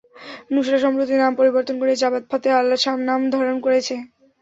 নুসরা সম্প্রতি নাম পরিবর্তন করে জাবাত ফতেহ আল-শাম নাম ধারণ করেছে।